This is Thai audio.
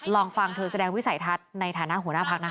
ลองฟังเธอแสดงวิสัยทัศน์ในฐานะหัวหน้าพักนะคะ